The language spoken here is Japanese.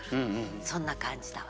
そんな感じだわ。